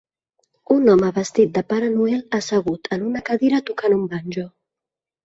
Un home vestit de Pare Noel assegut en una cadira tocant un banjo.